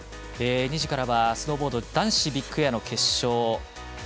２時からはスノーボード男子ビッグエア決勝。